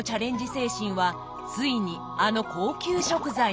精神はついにあの高級食材に。